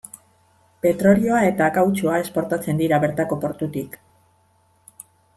Petrolioa eta kautxua esportatzen dira bertako portutik.